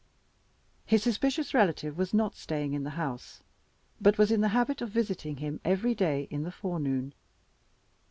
His suspicious relative was not staying in the house, but was in the habit of visiting him, every day, in the forenoon.